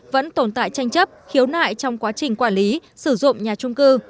vẫn tồn tại tranh chấp khiếu nại trong quá trình quản lý sử dụng nhà trung cư